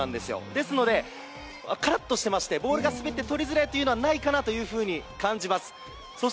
ですのでカラッとしていましてボールが滑ってとりづらいことはないかなと感じます。